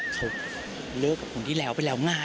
เลือกกับคนที่แลวไปแล้วไง